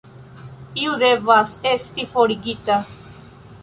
Iu devas esti forigita.